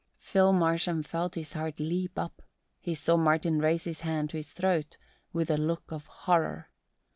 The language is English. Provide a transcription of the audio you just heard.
Phil Marsham felt his heart leap up; he saw Martin raise his hand to his throat with a look of horror.